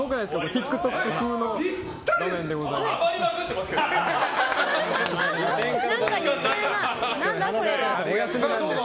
ＴｉｋＴｏｋ風のピッタリです！